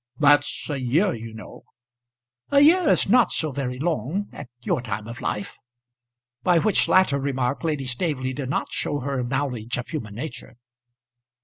"That's a year, you know." "A year is not so very long at your time of life." By which latter remark Lady Staveley did not show her knowledge of human nature.